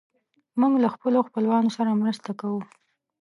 موږ له خپلو خپلوانو سره مرسته کوو.